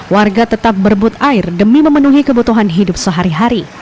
warga tetap berebut air demi memenuhi kebutuhan hidup sehari hari